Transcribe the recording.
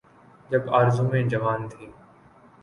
جب آرزوئیں جوان تھیں۔